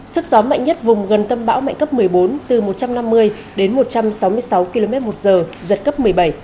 sức gió mạnh nhất vùng gần tâm bão mạnh cấp một mươi bốn từ một trăm năm mươi đến một trăm sáu mươi sáu km một giờ giật cấp một mươi bảy